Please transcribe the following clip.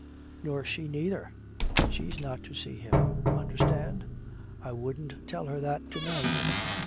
Nor she neither. She's not to see him. Understand?" "I wouldn't tell her that to night."